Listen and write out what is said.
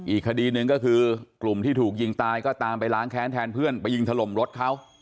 อีกคดีหนึ่งก็คือกลุ่มที่ถูกยิงตายก็ตามไปล้างแค้นแทนเพื่อนไปยิงถล่มรถเขา